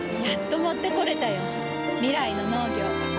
やっと持ってこれたよ。未来の農業。